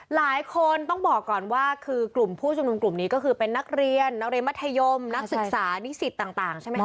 หลายคนต้องบอกก่อนว่าคือกลุ่มผู้ชุมนุมกลุ่มนี้ก็คือเป็นนักเรียนนักเรียนมัธยมนักศึกษานิสิตต่างใช่ไหมคะ